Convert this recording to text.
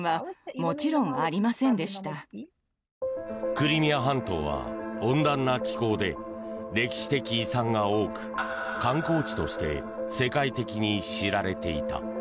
クリミア半島は温暖な気候で歴史的遺産が多く、観光地として世界的に知られていた。